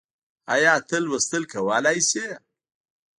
ايا ته لوستل کولی شې؟